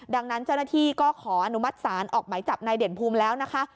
ดังนั้นเจ้าหน้าที่ก็ขออนุมัติศาลออกไหมจับนายเด่นภูมิแล้วนะคะ